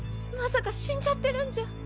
まさか死んじゃってるんじゃ。